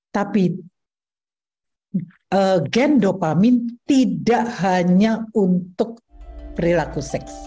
tapi gen dopamin tidak hanya untuk perilaku seks